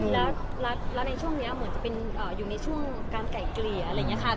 และในช่วงนี้อยู่ในช่วงการไก่เกลียครับ